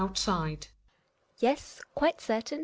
Yes, quite certain.